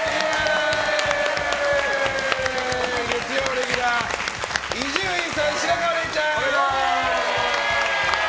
月曜レギュラー伊集院さん、白河れいちゃん！